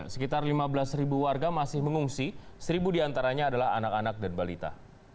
sekitar lima belas ribu warga masih mengungsi seribu diantaranya adalah anak anak dan balita